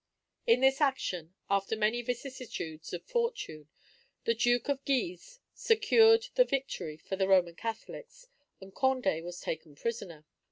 In this action, after many vicissitudes of fortune, the Duke of Guise secured the victory for the Roman Catholics, and Condé was taken prisoner.